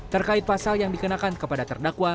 terkait pasal yang dikenakan kepada terdakwa